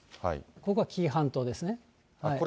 これ、紀伊半島ですね。